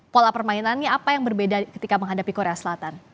pola permainannya apa yang berbeda ketika menghadapi korea selatan